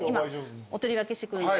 お取り分けしてくるんで。